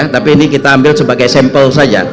tapi ini kita ambil sebagai simpul